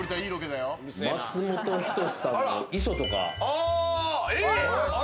松本人志さんの『遺書』とか。